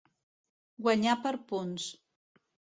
Guanyar per punts.